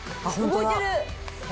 動いてる。